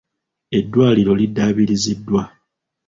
Eddwaliro liddabiriziddwa.